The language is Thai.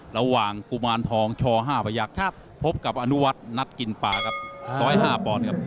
ระหว่างกุมารทองช๕พยักษ์พบกับอนุวัตินัดกินป่าครับ๑๐๕ปอดครับ